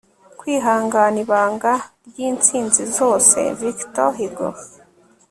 kwihangana, ibanga ry'intsinzi zose. - victor hugo